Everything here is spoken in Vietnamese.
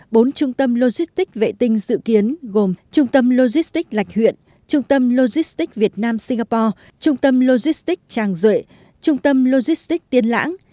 bốn trung tâm logistics vệ tinh dự kiến gồm trung tâm logistics lạch huyện trung tâm logistics việt nam singapore trung tâm logistics tràng duệ trung tâm logistics tiên lãng